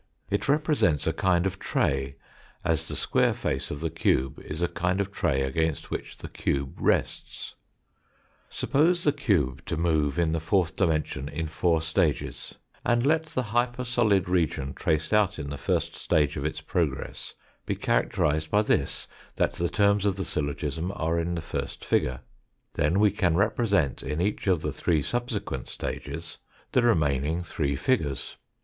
It represents a kind of tray, as the square face of the cube is a kind of tray against which the cube rests. Suppose the cube to move in this fourth dimension in four stages, and let the hyper solid region traced out in the first stage of its progress be characterised by this, that the terms of the syllogism are in the first figure, then we can represent in each of the three subsequent stages the remaining three figures.